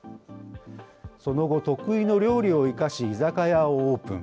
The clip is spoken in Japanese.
その後、得意の料理を生かし、居酒屋をオープン。